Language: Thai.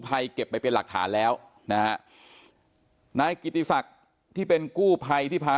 เก็บไปเป็นหลักฐานแล้วนะฮะนายกิติศักดิ์ที่เป็นกู้ภัยที่พา